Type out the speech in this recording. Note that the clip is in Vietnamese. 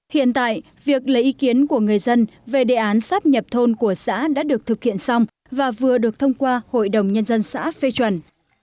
hiện tại việc lấy ý kiến của người dân về đề án sắp nhập thôn của xã đã được thực hiện xong và vừa được thông qua hội đồng nhân dân xã phê chuẩn